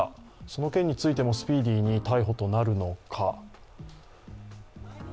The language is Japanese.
その件についてもスピーディーに逮捕となるのか。